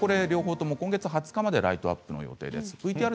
両方とも今月２０日までライトアップする予定です。